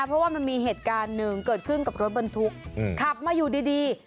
เพราะว่ามันมีเหตุการณ์หนึ่งเกิดขึ้นกับรถบรรทุกขับมาอยู่ดี